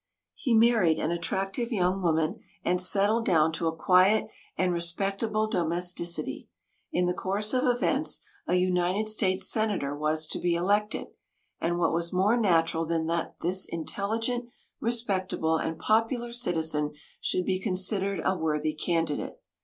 He married an attractive young woman, and settled down to a quiet and respectable domesticity. In the course of events a United States senator was to be elected, and what was more natural than that this intelligent, respectable and popular citizen should be considered a worthy candidate.